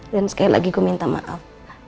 dan sekali lagi gue minta maaf